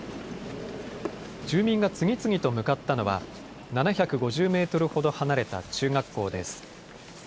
住民が次々と向かったのは７５０メートルほど離れた中学校です。